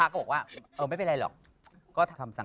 บอกว่าจะมาทำบุญ